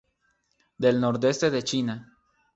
Del nordeste de China.